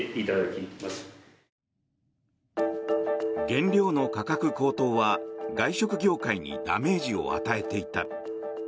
原料の価格高騰は外食業界にダメージを与えていた。